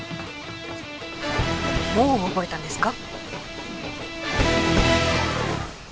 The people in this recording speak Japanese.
もう覚えたんですか？